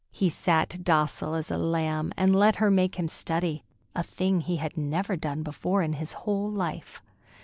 He sat docile as a lamb and let her make him study, a thing he had never done before in his whole life.